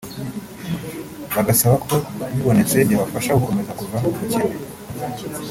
bagasaba ko bibonetse byabafasha gukomeza kuva mu bukene